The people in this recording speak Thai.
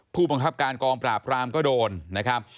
ผู้บังคับการกองปราบรามก็โดนนะครับ